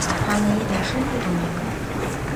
他们一点深度都没有。